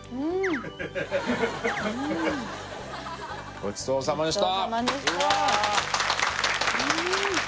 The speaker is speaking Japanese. ごちそうさまでした